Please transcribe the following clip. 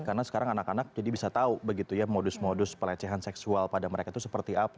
karena sekarang anak anak jadi bisa tahu begitu ya modus modus pelecehan seksual pada mereka itu seperti apa